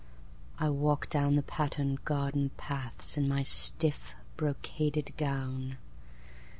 I walk down the patterned garden pathsIn my stiff, brocaded gown.